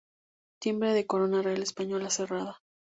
Timbre de corona real española cerrada.